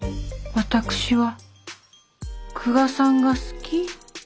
私は久我さんが好き。